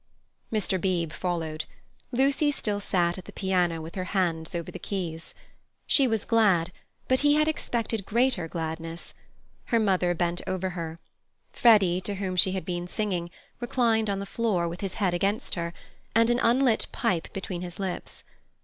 Mr. Beebe followed. Lucy still sat at the piano with her hands over the keys. She was glad, but he had expected greater gladness. Her mother bent over her. Freddy, to whom she had been singing, reclined on the floor with his head against her, and an unlit pipe between his lips.